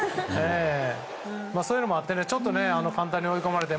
そういうのもあって簡単に追い込まれて。